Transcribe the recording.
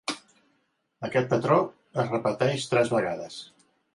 Aquest patró es repeteix tres vegades.